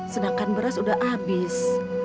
sedangkan beras sudah habis